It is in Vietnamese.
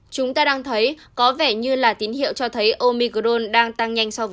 chúng ta đang thấy có vẻ như là tín hiệu cho thấy omicron đang tăng